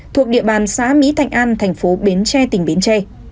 thuộc địa bàn xã mỹ thạnh an thành phố bến tre tỉnh bến tre